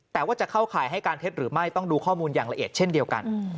แต่ว่าจะเข้าข่ายให้การเท็จหรือไม่ต้องดูข้อมูลอย่างละเอียดเช่นเดียวกัน